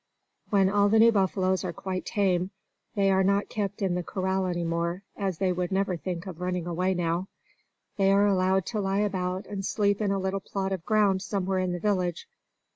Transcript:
When all the new buffaloes are quite tame, they are not kept in the corral any more, as they would never think of running away now. They are allowed to lie about and sleep in a little plot of ground somewhere in the village.